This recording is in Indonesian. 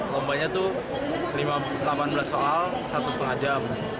rombanya itu delapan belas soal satu lima jam